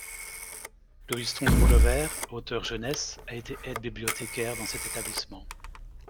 Louise Tondreau-Levert, auteure-jeunesse, a été aide-bibliothécaire dans cet établissement.